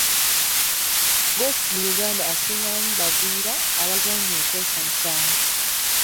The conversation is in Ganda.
Ggoofu mu Uganda asingamu bagwira abazannya okwesanyusaamu.